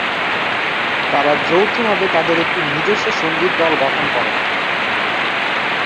তারা যৌথভাবে তাদের একটি নিজস্ব সংগীত দল গঠন করেন।